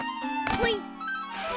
ほい！